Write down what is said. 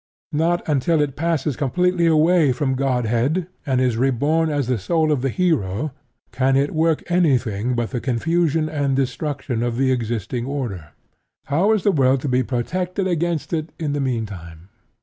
Not until it passes completely away from Godhead, and is reborn as the soul of the hero, can it work anything but the confusion and destruction of the existing order. How is the world to be protected against it in the meantime?